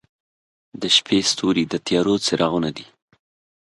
• د شپې ستوري د تیارو څراغونه دي.